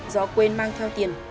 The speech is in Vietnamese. do quên mang theo tiền